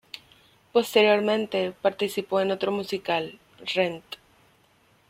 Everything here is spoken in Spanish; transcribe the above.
Posteriormente participó en otro musical, "Rent".